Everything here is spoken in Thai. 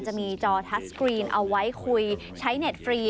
จะมีจอทัสกรีนเอาไว้คุยใช้เน็ตฟรี